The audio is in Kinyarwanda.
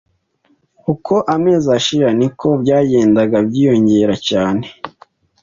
Uko amezi ashira niko byagendaga byiyongera cyane.